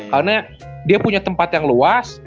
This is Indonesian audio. karena dia punya tempat yang luas